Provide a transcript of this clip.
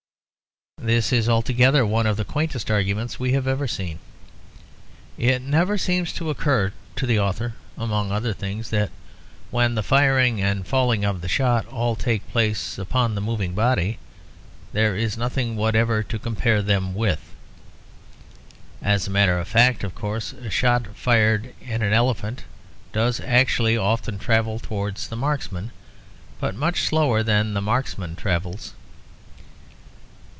This is altogether one of the quaintest arguments we have ever seen. It never seems to occur to the author, among other things, that when the firing and falling of the shot all take place upon the moving body, there is nothing whatever to compare them with. As a matter of fact, of course, a shot fired at an elephant does actually often travel towards the marksman, but much slower than the marksman travels.